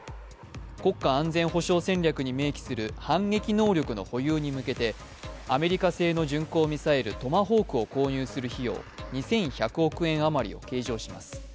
国家安全保障戦略に明記する反撃能力の保有に向けてアメリカ製の巡航ミサイルトマホークを購入する費用２１００億円あまりを計上します。